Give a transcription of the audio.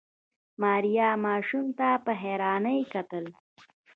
ماريا ماشوم ته په حيرانۍ کتل.